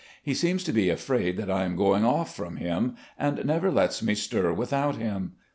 He seems to be afraid that I am going off from him, and never lets me stir without him.